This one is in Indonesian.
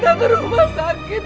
gak ke rumah sakit